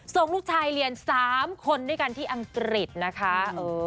ส่งลูกชายเรียน๓คนด้วยกันที่อังกฤษนะคะ